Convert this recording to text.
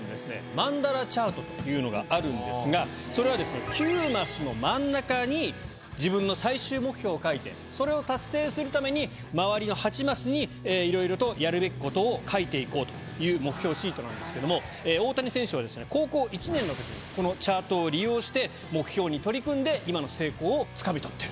「マンダラチャート」というのがあるんですがそれはですね９マスの真ん中に自分の最終目標を書いてそれを達成するために周りの８マスにいろいろとやるべきことを書いていこうという目標シートなんですけども大谷選手はですね高校１年のときにこのチャートを利用して目標に取り組んで今の成功をつかみ取ってる。